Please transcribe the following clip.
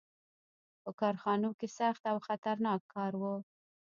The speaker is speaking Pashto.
• په کارخانو کې سخت او خطرناک کار و.